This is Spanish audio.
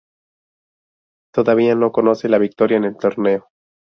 Todavía no conoce la victoria en el torneo.